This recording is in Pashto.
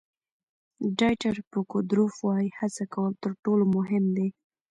ډایټر فوکودروف وایي هڅه کول تر ټولو مهم دي.